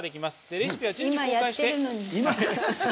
レシピは順次公開して。